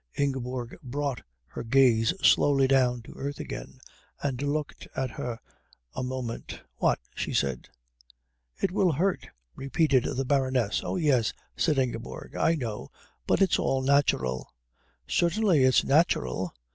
Ingeborg brought her gaze slowly down to earth again, and looked at her a moment. "What?" she said. "It will hurt," repeated the Baroness. "Oh, yes," said Ingeborg. "I know. But it's all natural." "Certainly it is natural.